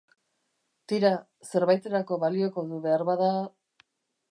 Tira, zerbaiterako balioko du beharbada...